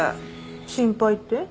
心配って？